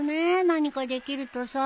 何かできるとさ。